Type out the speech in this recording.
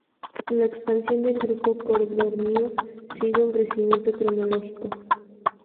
La expansión del Grupo Codorníu sigue un crecimiento cronológico.